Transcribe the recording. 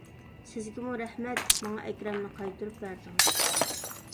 -سىزگىمۇ رەھمەت، ماڭا ئەكرەمنى قايتۇرۇپ بەردىڭىز.